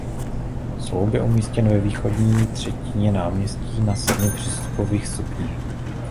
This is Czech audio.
Sloup je umístěn ve východní třetině náměstí na sedmi přístupových stupních.